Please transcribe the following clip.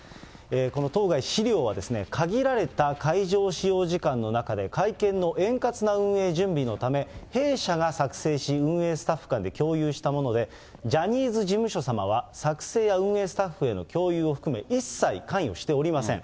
この当該資料はですね、限られた会場使用時間の中で、会見の円滑な運営準備のため、弊社が作成し、運営スタッフ間で共有したもので、ジャニーズ事務所様は、作成や運営スタッフへの共有を含め、一切関与しておりません。